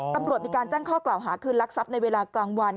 ตำรวจมีการแจ้งข้อกล่าวหาคืนลักทรัพย์ในเวลากลางวัน